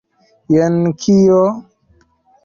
Jen kio?